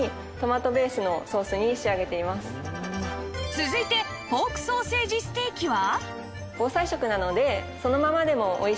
続いてポークソーセージステーキは